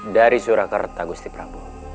dari surakarta gusti prabu